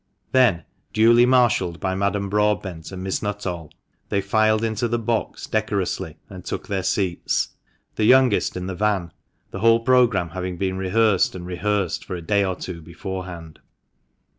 Then, duly marshalled by Madame Broadbent and Miss Nuttall, they filed into the box decorously and took their seats, the youngest in the van — the whole programme having been rehearsed and re rehearsed for a day or two beforehand.